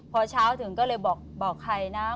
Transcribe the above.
พอเช้าถึงก็เลยบอกใครนะ